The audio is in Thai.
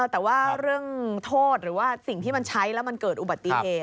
แต่ว่าเรื่องโทษหรือว่าสิ่งที่มันใช้แล้วมันเกิดอุบัติเหตุ